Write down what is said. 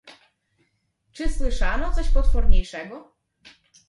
"Czy słyszano coś potworniejszego?..."